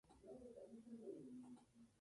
Ratzenberger había muerto casi en el acto.